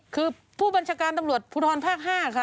คือผู้บัญชาการตำรวจภูทรภาค๕ค่ะ